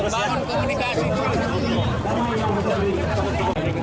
bangun komunikasi terus